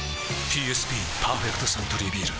ＰＳＢ「パーフェクトサントリービール」